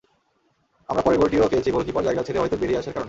আমরা পরের গোলটিও খেয়েছি গোলকিপার জায়গা ছেড়ে অহেতুক বেরিয়ে আসার কারণেই।